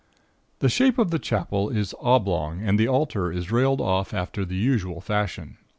"The shape of the Chapel is oblong, and the altar is railed off after the usual fashion.